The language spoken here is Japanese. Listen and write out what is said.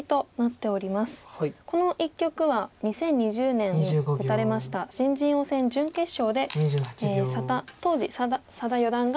この１局は２０２０年に打たれました新人王戦準決勝で当時佐田四段が中押し勝ちされております。